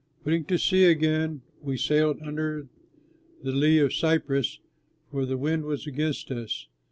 Putting to sea again, we sailed under the lee of Cyprus, for the wind was against us.